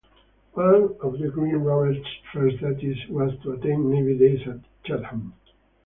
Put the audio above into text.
One of "Green Rover's" first duties was to attend Navy Days at Chatham.